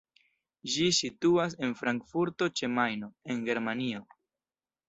Ĝi situas en Frankfurto ĉe Majno, en Germanio.